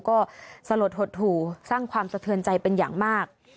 ก็สลดหดหู่สร้างความสะเทือนใจเป็นอย่างมาก